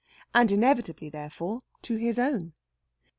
And inevitably, therefore, to his own.